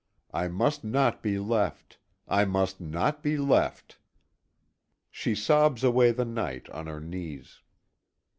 I must not be left; I must not be left!" She sobs away the night on her knees.